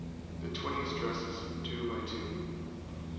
The twining stresses, two by two.